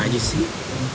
gak ada sih